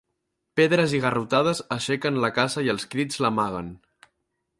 Pedres i garrotades aixequen la caça i els crits l'amaguen.